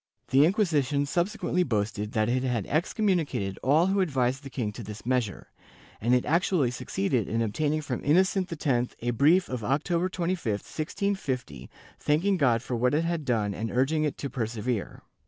^ The Inquisition subsequently boasted that it had excommunicated all who advised the king to this measure, and it actually succeeded in obtaining from Innocent X a brief of October 25, 1650, thanking God for what it had done and urging it to persevere.